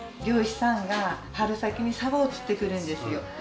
漁師さんが春先にサバを釣ってくるんですよ。